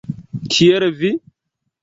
Kiel vi?